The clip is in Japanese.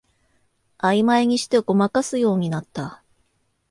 あいまいにしてごまかすようになった